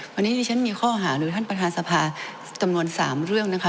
วันนี้ดิฉันมีข้อหาโดยท่านประธานสภาจำนวน๓เรื่องนะคะ